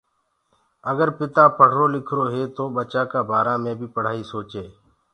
آگر پتآ پڙهرو لکرو هي تو ٻچآ ڪآ بآرآ مي پڙهآئي سوچي